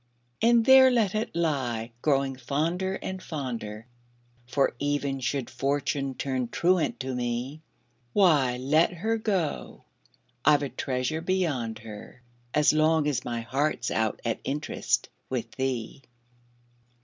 And there let it lie, growing fonder and, fonder For, even should Fortune turn truant to me, Why, let her go I've a treasure beyond her, As long as my heart's out at interest With thee!